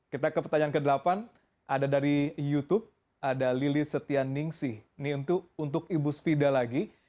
kita ke pertanyaan ke delapan ada dari youtube ada lili setia ningsih ini untuk ibu svida lagi